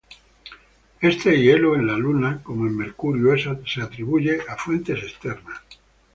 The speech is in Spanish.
Este hielo en la Luna, como en Mercurio, es atribuido a fuentes externas.